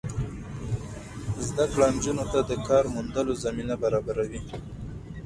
زده کړه نجونو ته د کار موندلو زمینه برابروي.